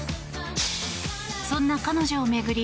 そんな彼女を巡り